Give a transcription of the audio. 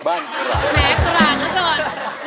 แหมกลางนะเจอร์